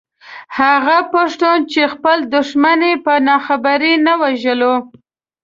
هغه پښتون چې خپل دښمن يې په ناخبرۍ نه وژلو.